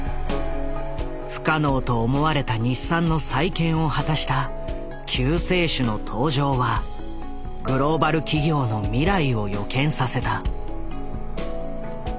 不可能と思われた日産の再建を果たした救世主の登場はグローバル企業の未来を予見させた。